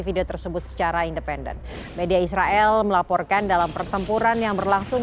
video tersebut secara independen media israel melaporkan dalam pertempuran yang berlangsung